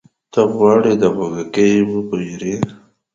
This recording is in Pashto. ته غواړې د غوږيکې وپېرې؟